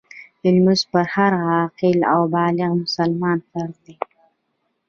لمونځ په هر عاقل او بالغ مسلمان فرض دی .